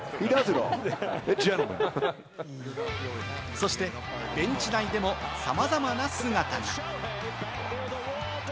そしてベンチ内でもさまざまな姿が。